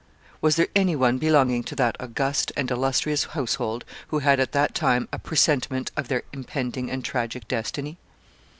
Was there any one belonging to that august and illustrious household who had, at that time, a presentiment of their impending and tragic destiny?